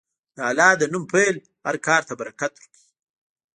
د الله د نوم پیل هر کار ته برکت ورکوي.